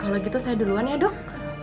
kalau gitu saya duluan ya dok